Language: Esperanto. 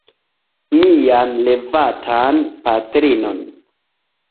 Mian revatan patrinon.